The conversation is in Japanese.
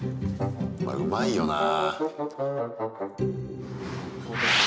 まあうまいよなぁ。